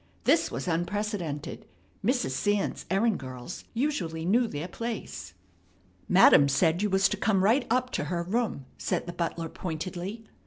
This was unprecedented. Mrs. Sands's errand girls usually knew their place. "Madam said you was to come right up to her room," said the butler pointedly.